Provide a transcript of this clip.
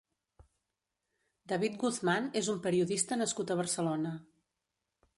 David Guzman és un periodista nascut a Barcelona.